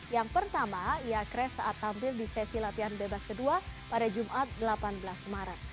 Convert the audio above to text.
yang pertama ia crash saat tampil di sesi latihan bebas kedua pada jumat delapan belas maret